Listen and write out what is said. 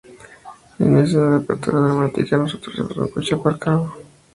En la escena de apertura dramática, nosotros vemos un coche aparcado.